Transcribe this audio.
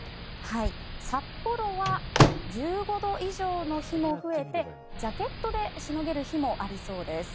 札幌は１５度以上の日が増えてジャケットでしのげる日もありそうです。